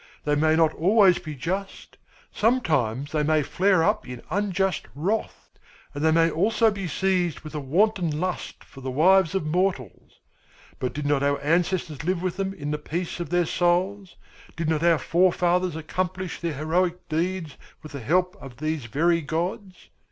They may not always be just, sometimes they may flare up in unjust wrath, and they may also be seized with a wanton lust for the wives of mortals; but did not our ancestors live with them in the peace of their souls, did not our forefathers accomplish their heroic deeds with the help of these very gods?